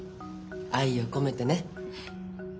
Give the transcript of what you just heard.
愛を込めてね。